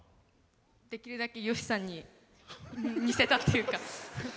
できるだけ吉さんに似せたっていうか。